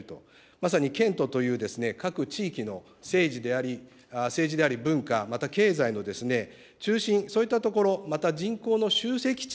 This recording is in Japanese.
まさに県都という各地域の政治であり、政治であり文化、また経済の中心、そういったところ、また人口の集積地、